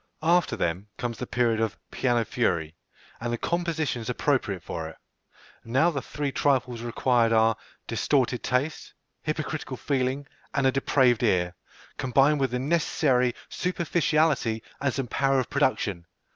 After them, comes the period of "piano fury," and the compositions appropriate for it. Now the three trifles required are distorted taste, hypocritical feeling, and a depraved ear, combined with the necessary superficiality and some power of production.